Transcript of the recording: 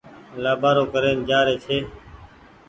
لآٻآرو ڪرين جآري ڇي۔